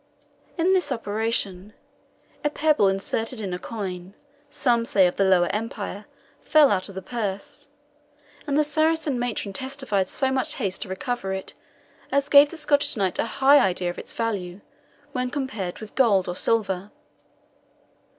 In this operation, a pebble inserted in a coin, some say of the Lower Empire, fell out of the purse, and the Saracen matron testified so much haste to recover it as gave the Scottish knight a high idea of its value, when compared with gold or silver.